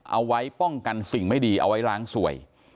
เอาไว้ป้องกันสิ่งไม่ดีเอาไว้ล้างสวย